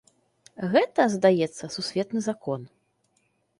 Гэта, здаецца, сусветны закон.